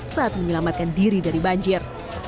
saat menyelamatkan diri dari banjir